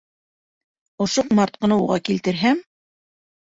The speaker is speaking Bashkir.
Ошо ҡомартҡыны уға килтерһәм...